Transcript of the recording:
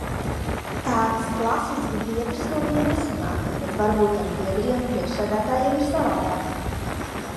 Tāds klasisks biedrs no viņa nesanāk, bet varbūt ar biedriem priekšsēdētājiem ir savādāk.